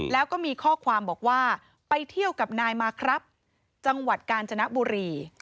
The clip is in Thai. แล้วก็มีข้อความบอกว่าไปเที่ยวกับนายมาครับจังหวัดกาญจนบุรี